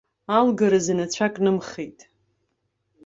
Алгаразы рацәак нымхеит.